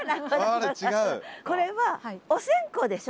これはお線香でしょ？